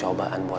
terima kasih pak